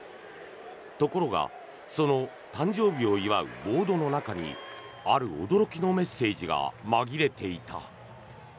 ところが、その誕生日を祝うボードの中にある驚きのメッセージがまぎれていた。